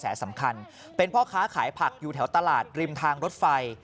สำคัญเป็นพ่อค้าขายผักอยู่แถวตลาดริมทางรถไฟ